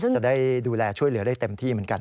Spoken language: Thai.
จะได้ดูแลช่วยเหลือได้เต็มที่เหมือนกัน